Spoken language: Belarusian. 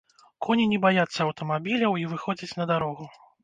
Коні не баяцца аўтамабіляў і выходзяць на дарогу.